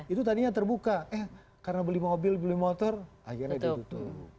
itu tadinya terbuka eh karena beli mobil beli motor akhirnya ditutup